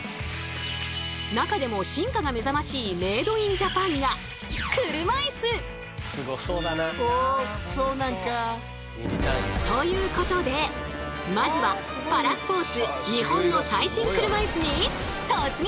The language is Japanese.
中でも進化がめざましいメードインジャパンがということでまずはパラスポーツ日本の最新車いすに突撃！